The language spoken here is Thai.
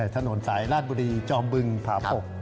ถนนสายราชบุรีจอมบึงผาปก